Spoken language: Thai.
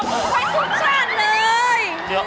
มึงนี่ตายแล้วนี่รู้สึก